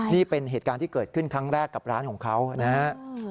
นี่เป็นเหตุการณ์ที่เกิดขึ้นครั้งแรกกับร้านของเขานะครับ